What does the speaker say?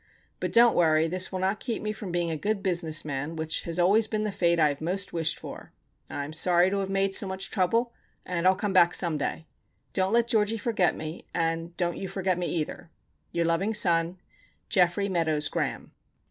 But dont worry this will not keep me from being a good bizness man wich has always been the fate I have most wished for. I am sorry to have made so much trubble and Ill come back some day. Dont let Georgie forget me and dont you forget me either "Your loving son "Geoffrey Meadows Graham."